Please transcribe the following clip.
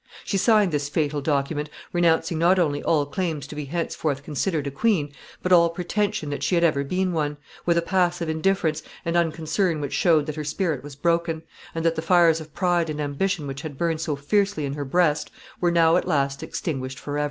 She signed this fatal document, renouncing not only all claims to be henceforth considered a queen, but all pretension that she had ever been one, with a passive indifference and unconcern which showed that her spirit was broken, and that the fires of pride and ambition which had burned so fiercely in her breast were now, at last, extinguished forever.